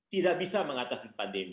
tidak bisa mengatasi pandemi